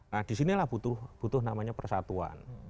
nah di sinilah butuh butuh namanya persatuan